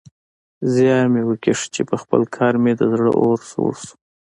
زيار مې وکيښ چې پخپل کار مې د زړه اور سوړ کړ.